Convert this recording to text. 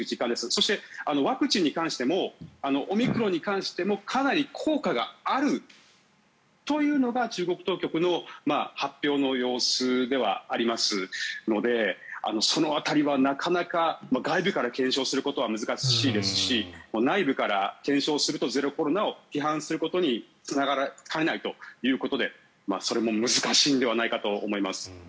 そして、ワクチンに関してもオミクロンに関してもかなり効果があるというのが中国当局の発表の様子ではありますのでその辺りはなかなか外部から検証することは難しいですし内部から検証するとゼロコロナを批判することにつながりかねないということでそれも難しいのではないかと思います。